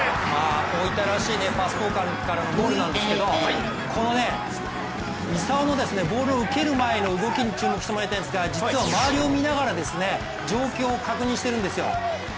大分らしいパス交換からのゴールなんですけど、この三竿のボールを受ける前の動きに注目してもらいたいんですが実は周りを見ながら、状況を確認しているんですよ。